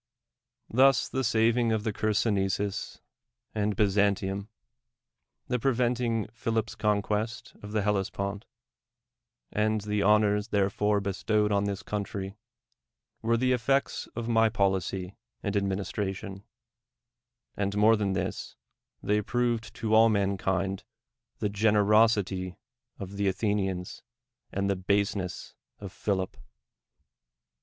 Thus tho savin'^' of ni^'i sonesus and Byzan 1,"3 THE WORLD'S FAMOUS ORATIONS tium, the preventing Philip's conquest of the Hellespont, and the honors therefore bestowr M on this country, were the effects of my policy and administration : and more than this — they proved to all mankind the generosity of Athc^ns and th^ baseness of Philip.